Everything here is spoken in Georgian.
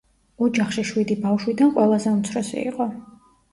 ოჯახში შვიდი ბავშვიდან ყველაზე უმცროსი იყო.